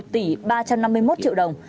một tỷ ba trăm năm mươi một triệu đồng